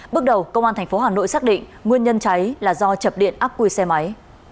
bước đầu công an tp hà nội xác định nguyên nhân cháy là do chập điện áp quy xe máy